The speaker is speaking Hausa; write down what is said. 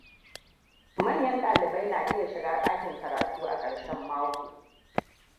Manyan dalibai na iya shiga dakin karatu a karshen mako.